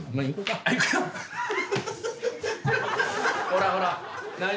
ほらほらっ